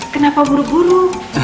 kenapa buru buru